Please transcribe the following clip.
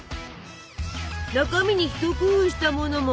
中身に一工夫したものも。